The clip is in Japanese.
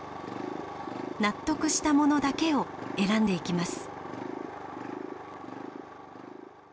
納得したものだけを選んでいきます。